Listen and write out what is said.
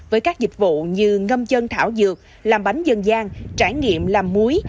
với các dịch vụ như ngâm chân thảo dược làm bánh dân gian trải nghiệm làm muối